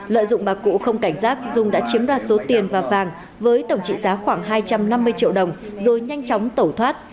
lợi dụng bà cụ không cảnh giác dung đã chiếm đoạt số tiền và vàng với tổng trị giá khoảng hai trăm năm mươi triệu đồng rồi nhanh chóng tẩu thoát